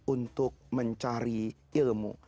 untuk mencari ilmu